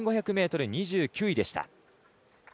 １５００ｍ、２９位でした。